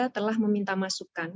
telah meminta masukan